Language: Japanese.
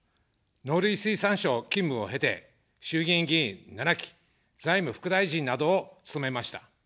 農林水産省勤務を経て、衆議院議員７期、財務副大臣などを務めました。